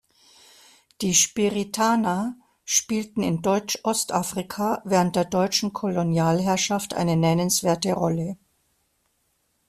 Die Spiritaner spielten in Deutsch-Ostafrika während der deutschen Kolonialherrschaft eine nennenswerte Rolle.